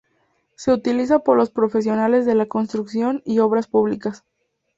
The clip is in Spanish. Se utiliza por los profesionales de la construcción y obras públicas.